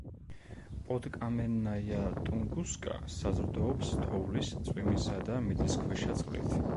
პოდკამენაია-ტუნგუსკა საზრდოობს თოვლის, წვიმისა და მიწისქვეშა წყლით.